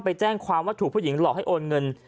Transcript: ไปแจ้งความว่าถูกผู้หญิงหลอกให้โอนเงิน